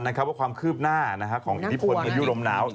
ว่าความคืบหน้าของที่ผ่อนในยุโรมหนาว